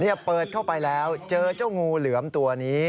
เปิดเข้าไปแล้วเจอเจ้างูเหลือมตัวนี้